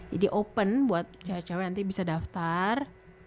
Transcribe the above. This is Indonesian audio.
jadi open buat cewek cewek nanti bisa daftar